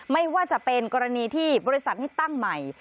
ไม่ว่าจะเป็นกรณีที่บริษัทนี้ตั้งใหม่